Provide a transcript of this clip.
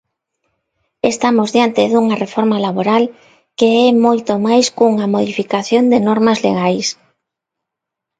Estamos diante dunha reforma laboral que é moito mais cunha modificación de normas legais.